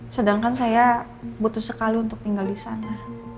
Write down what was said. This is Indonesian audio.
sedangkan saya butuh sekali untuk tinggal di sana